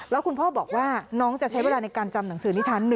แล้วคุณพ่อบอกว่าน้องจะใช้เวลาในการจำหนังสือนิทัน